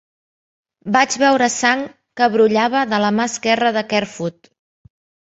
Vaig veure sang que brollava de la mà esquerra de Kerfoot.